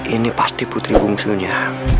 ini pasti putri bungsunya